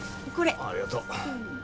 ありがとう。